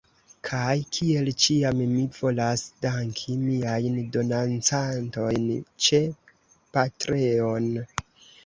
Kaj kiel ĉiam mi volas danki miajn donancantojn ĉe Patreon.